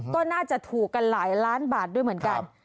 ก็น่าจะถูกกันหลายล้านบาทด้วยเหมือนกัน